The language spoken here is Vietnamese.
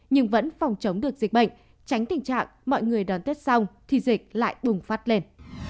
nhưng vẫn phòng chống được dịch bệnh tránh tình trạng mọi người đón tết xong thì dịch lại bùng phát lên